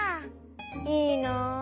いいな。